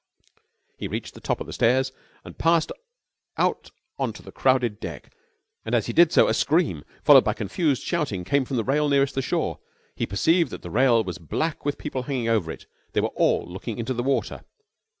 He reached the top of the stairs and passed out on to the crowded deck. And, as he did so, a scream, followed by confused shouting, came from the rail nearest the shore. He perceived that the rail was black with people hanging over it. They were all looking into the water.